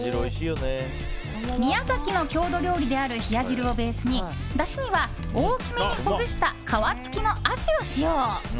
宮崎の郷土料理である冷や汁をベースにだしには大きめにほぐした皮付きのアジを使用。